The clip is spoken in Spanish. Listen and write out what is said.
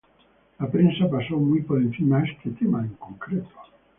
La prensa pasó muy por encima este tema en concreto.